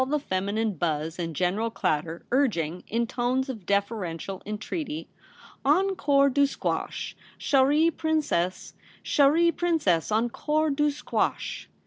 269 the feminine buzz and general clatter urging, in tones of deferential entreaty, ' Encore du *' Squash," chere Princesse '—' Chere Prin cesse, encore du " Squash